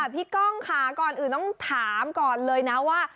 กล้องค่ะก่อนอื่นต้องถามก่อนเลยนะว่า